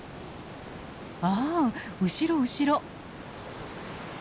ああ後ろ後ろ！